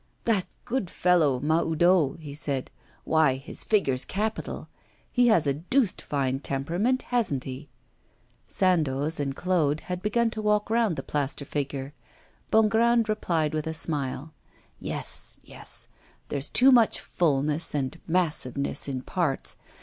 'That good fellow Mahoudeau!' he said, 'why his figure's capital! He has a deuced fine temperament, hasn't he?' Sandoz and Claude had begun to walk round the plaster figure. Bongrand replied with a smile. 'Yes, yes; there's too much fulness and massiveness in parts.